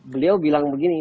beliau bilang begini